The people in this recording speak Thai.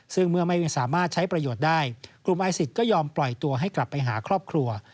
ซึ่งเมื่อไม่สามารถใช้ประโยชน์ได้กลุ่มไอศิษย์ก็ยอมปล่อยตัวให้กลับไปหาครอบครัว